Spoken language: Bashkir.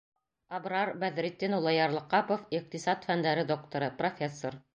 Абрар Бәҙретдин улы Ярлыҡапов — иҡтисад фәндәре докторы, профессор.